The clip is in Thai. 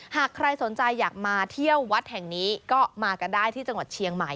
หากใครสนใจอยากมาเที่ยววัดแห่งนี้ก็มากันได้ที่จังหวัดเชียงใหม่